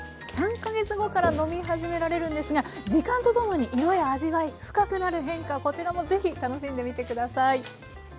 ３か月後から飲み始められるんですが時間とともに色や味わい深くなる変化こちらもぜひ楽しんでみて下さい。